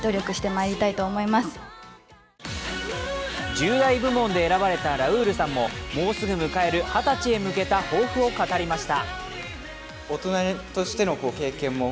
１０代部門で選ばれたラウールさんももうすぐ迎える二十歳へ向けた抱負を語りました。